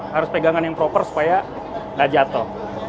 harus pegangan yang proper supaya nggak jatuh